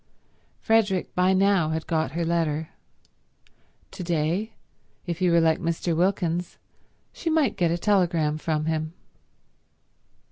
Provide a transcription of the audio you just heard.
Frederick by now had got her letter. To day, if he were like Mr. Wilkins, she might get a telegram from him.